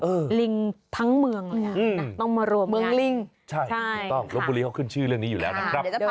ต้องมารวมยางต้องมารวมยั้งเราบุรีเขาขึ้นชื่อเรื่องนี้อยู่แล้วนะครับ